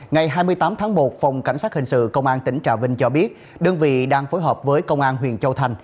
ngày hai mươi tám tháng một phòng cảnh sát hình sự công an tỉnh trà vinh cho biết đơn vị đang phối hợp với công an huyện châu thành